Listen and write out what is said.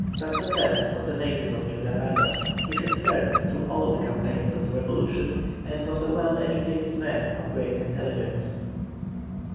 Santander was a native of New Granada, he had served through all the campaigns of the revolution, and was a well educated man of great intelligence.